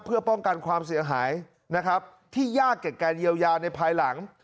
เพื่อป้องกันความเสียหายนะครับที่ยากแก่การเยียวยาในภายหลัง